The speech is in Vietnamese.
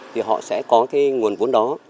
thì họ sẽ có cái nguồn vốn đó